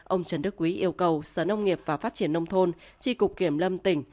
ông trần đức quý yêu cầu sở nông nghiệp và phát triển nông thôn tri cục kiểm lâm tỉnh